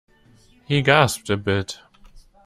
He gasped a bit.